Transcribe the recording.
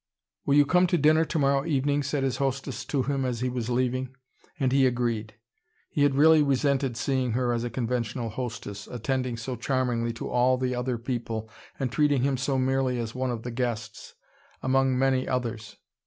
"Will you come to dinner tomorrow evening?" said his hostess to him as he was leaving. And he agreed. He had really resented seeing her as a conventional hostess, attending so charmingly to all the other people, and treating him so merely as one of the guests, among many others.